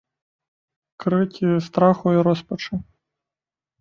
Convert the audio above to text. Крыкі страху і роспачы.